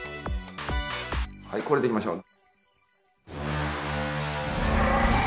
はいこれでいきましょう。